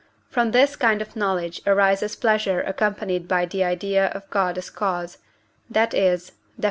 From this kind of knowledge arises pleasure accompanied by the idea of God as cause, that is (Def.